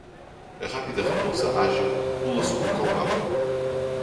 A rápida raposa ágil pula sobre o cão marrom